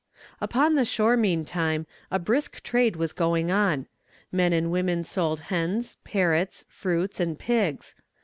Upon the shore, meantime, a brisk trade was going on. Men and women sold hens, parrots, fruits, and pigs.